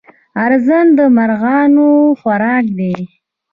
ارزن د مرغانو خوراک دی.